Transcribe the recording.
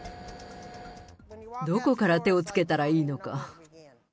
どこから手をつけたらいいのか。